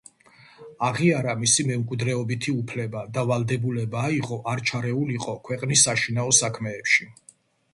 აღიარა მისი მემკვიდრეობითი უფლება და ვალდებულება აიღო არ ჩარეულიყო ქვეყნის საშინაო საქმეებში.